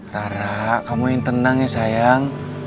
rara kamu yang tenang yang sayang